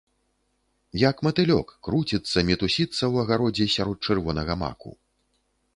Як матылёк, круціцца, мітусіцца ў агародзе сярод чырвонага маку.